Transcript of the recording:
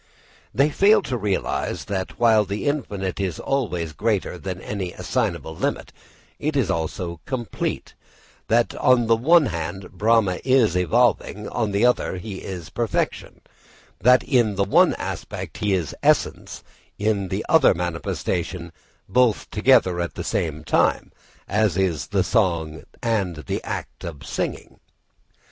_ They fail to realise that while the infinite is always greater than any assignable limit, it is also complete; that on the one hand Brahma is evolving, on the other he is perfection; that in the one aspect he is essence, in the other manifestation both together at the same time, as is the song and the act of singing.